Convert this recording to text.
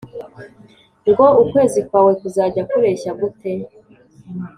ngo ukwezi kwawe kuzajya kureshya gute